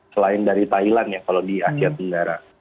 selain dari thailand ya kalau di asia tenggara